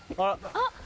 あっ。